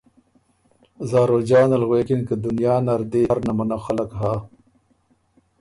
زاروجانه ل غوېکِن که دنیا نر دی هر نمونه خلق هۀ